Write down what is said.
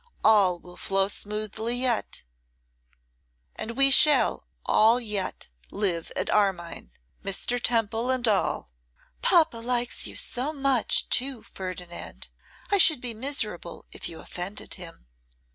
All will flow smoothly yet, and we shall all yet live at Armine, Mr. Temple and all.' 'Papa likes you so much too, Ferdinand, I should be miserable if you offended him.